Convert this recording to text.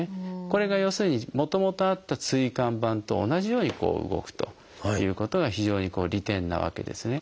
これが要するにもともとあった椎間板と同じように動くということが非常に利点なわけですね。